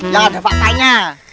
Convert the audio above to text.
yang ada faktanya